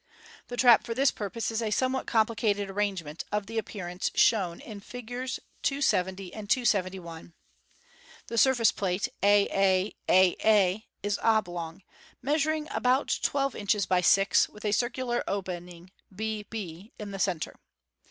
The trap for this purpose is a somewhat complicated arrangement of the appearance shown in Figs. 270 and 271. The surface plate a a a a, is oblong, measuring about twelve inches by six, with a circular open ing b b in the centre.